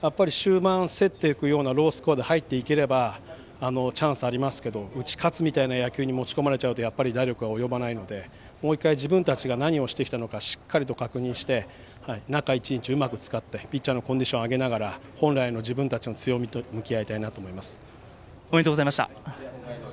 やっぱり終盤、競っていくようなローススコアで入っていけばチャンスありますけど打ち勝つみたいなゲームに持ち込まれると打力は及ばないのでもう１回、自分たちが何をしてきたのかをしっかり確認して中１日、うまく使ってピッチャーのコンディションを上げて、本来の自分たちの強みにおめでとうございました。